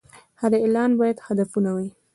هر اعلان باید هدفمند وي.